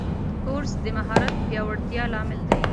کورس د مهارت پیاوړتیا لامل دی.